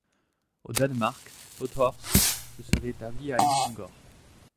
Au Danemark, Pothorst se serait établi à Helsingør.